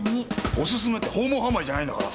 お勧めって訪問販売じゃないんだから。